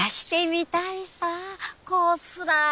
こうすら。